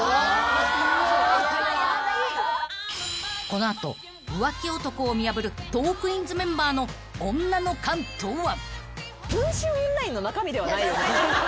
［この後浮気男を見破るトークィーンズメンバーの女の勘とは］